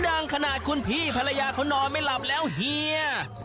ดังขนาดคุณพี่ภรรยาเขานอนไม่หลับแล้วเฮีย